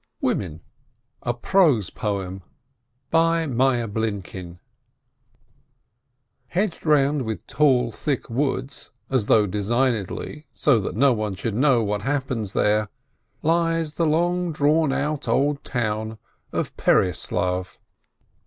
WOMEN A PROSE POEM Hedged round with tall, thick woods, as though designedly, so that no one should know what happens there, lies the long drawn out old town of Pereyaslav.